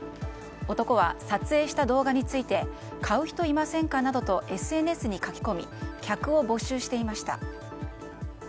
男は撮影した動画について買う人いませんかなどとＳＮＳに書き込み客を募集していました。